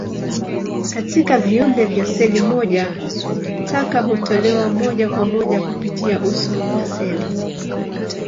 Katika viumbe vya seli moja, taka hutolewa moja kwa moja kupitia uso wa seli.